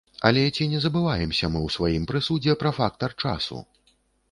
Але ці не забываемся мы ў сваім прысудзе пра фактар часу?